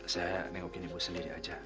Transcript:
saya nengokin ibu sendiri aja